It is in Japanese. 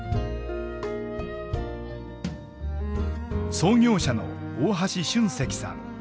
創業者の大橋俊石さん。